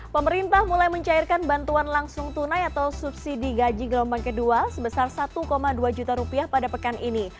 pemerintah mulai mencairkan bantuan langsung tunai atau subsidi gaji gelombang kedua sebesar satu dua juta rupiah pada pekan ini